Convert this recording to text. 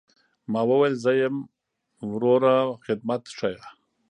ما وويل زه يم وروه خدمت ښييه.